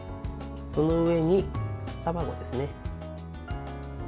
その上に卵ですね。